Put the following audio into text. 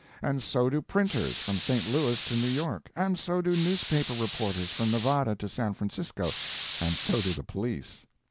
And so do printers, from St. Louis to New York; and so do newspaper reporters, from Nevada to San Francisco. And so do the police.